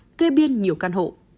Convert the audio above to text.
nguyên biên nhiều căn hộ